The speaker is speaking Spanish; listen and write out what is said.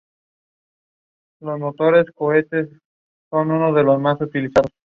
Debía su nombre a su abuela materna Riquilda de Polonia.